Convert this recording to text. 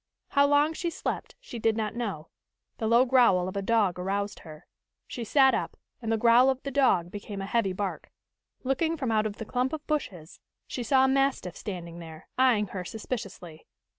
How long she slept, she did not know. The low growl of a dog aroused her. She sat up, and the growl of the dog became a heavy bark. Looking from out of the clump of bushes, she saw a mastiff standing there, eying her suspiciously.